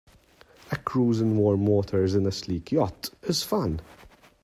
A cruise in warm waters in a sleek yacht is fun.